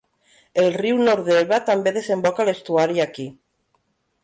El riu Nordelva també desemboca a l'estuari aquí.